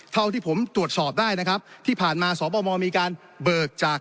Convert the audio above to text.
เท่าที่ผมตรวจสอบได้นะครับที่ผ่านมาสบมีการเบิกจาก